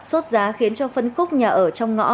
sốt giá khiến cho phân khúc nhà ở trong ngõ